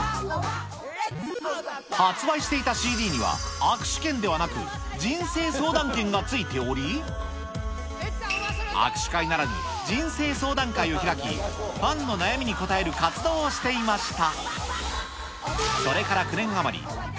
発売していたＣＤには、握手券ではなく、人生相談券が付いており、握手会ならぬ、人生相談会を開き、ファンの悩みに答える活動をしていました。